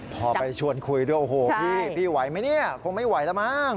พอไปชวนคุยด้วยโอ้โหพี่พี่ไหวไหมเนี่ยคงไม่ไหวแล้วมั้ง